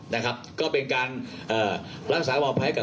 นะครับก็เป็นการรักษามหาวิทย์หรอกนะครับ